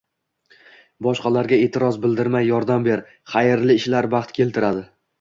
Boshqalarga e’tiroz bildirmay yordam ber, xayrli ishlar baxt keltiradi.